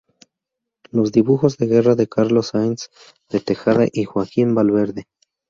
Los dibujos de guerra de Carlos Sáenz de Tejada y Joaquín Valverde.